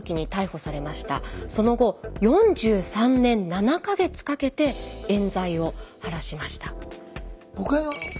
その後４３年７か月かけてえん罪を晴らしました。